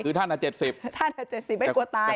คือท่าน๗๐ท่าน๗๐ไม่กลัวตาย